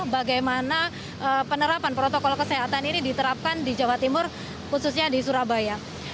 bagaimana penerapan protokol kesehatan ini diterapkan di jawa timur khususnya di surabaya